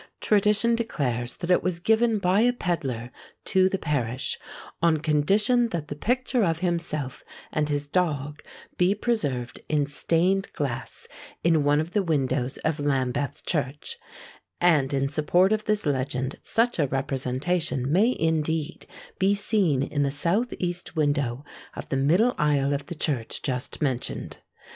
Tradition declares that it was given by a pedlar to the parish, on condition that the picture of himself and his dog be preserved, in stained glass, in one of the windows of Lambeth church; and in support of this legend, such a representation may indeed be seen in the south east window of the middle aisle of the church just mentioned.